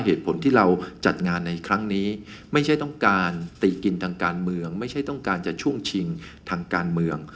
เหตุผลที่เราจัดงานในครั้งนี้ไม่ใช่ต้องการตีกินทางการเมือง